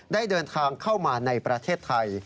ได้เดินทางเข้ามาในประเทศไทย